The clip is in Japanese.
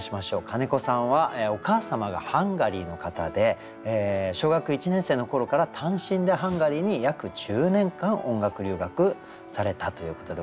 金子さんはお母様がハンガリーの方で小学１年生の頃から単身でハンガリーに約１０年間音楽留学されたということでございます。